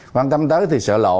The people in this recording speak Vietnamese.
quan tâm tới thì sợ lộ